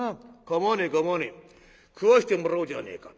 「構わねえ構わねえ。食わしてもらおうじゃねえか」。